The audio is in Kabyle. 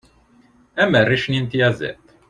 am rric-nni n tyaziḍt